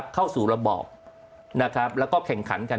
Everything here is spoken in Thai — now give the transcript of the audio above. เข้าสู่ระบอบนะครับแล้วก็แข่งขันกัน